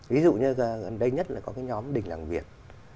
ví dụ như gần đây nhất là có cái nhóm đình làng việt